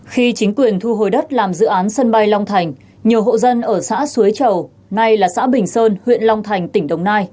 khi chính quyền thu hồi đất làm dự án sân bay long thành nhiều hộ dân ở xã suối chầu nay là xã bình sơn huyện long thành tỉnh đồng nai